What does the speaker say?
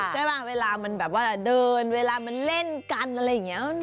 ใช่ป่ะเวลามันแบบว่าเดินเวลามันเล่นกันอะไรอย่างนี้